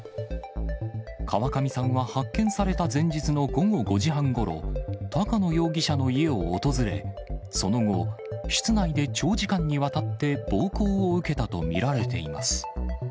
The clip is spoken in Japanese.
川上さんは発見された前日の午後５時半ごろ、高野容疑者の家を訪れ、その後、室内で長時間にわたって暴行を受けたと見られています。